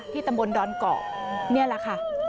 ตำบลดอนเกาะนี่แหละค่ะ